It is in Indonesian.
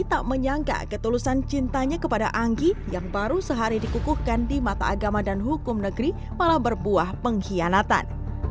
tak menyangka ketulusan cintanya kepada anggi yang baru sehari dikukuhkan di mata agama dan hukum negeri malah berbuah pengkhianatan